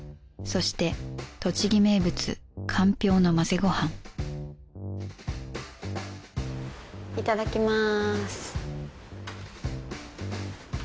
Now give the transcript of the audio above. そして栃木名物かんぴょうの混ぜごはんいただきます。